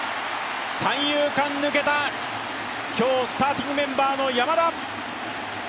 三遊間抜けた、今日スターティングメンバーの山田。